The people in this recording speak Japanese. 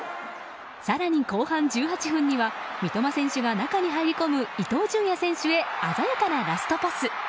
更に後半１８分には三笘選手が中に入り込む伊東純也選手へ鮮やかなラストパス。